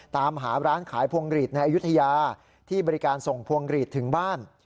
ตามหาร้านขายพวงหลีดในอายุทยาที่บริการส่งพวงหลีดถึงบ้าน